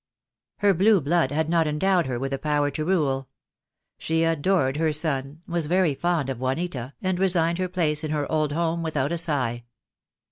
Her blue blood had not endowed her with the power to rule. She adored her son, was very fond of Juanita, and resigned her place in her old home without a sigh.